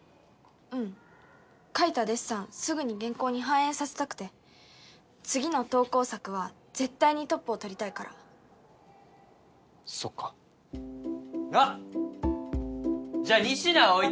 うん描いたデッサンすぐに原稿に反映させたくて次の投稿作は絶対にトップを取りたいからそっかあっじゃあ仁科置いていくわえっ？